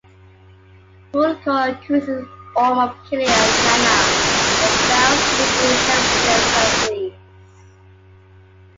Vulko accuses Orm of killing Atlanna, but fails to produce evidence and flees.